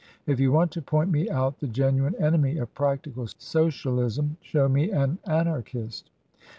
If you want to point me out the genuine enemy of practical Socialism show me an Anarchist."